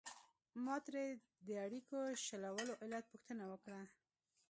ما ترې د اړیکو شلولو علت پوښتنه وکړه.